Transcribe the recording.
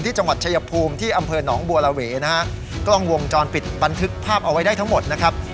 จังหวัดชายภูมิที่อำเภอหนองบัวระเวนะฮะกล้องวงจรปิดบันทึกภาพเอาไว้ได้ทั้งหมดนะครับ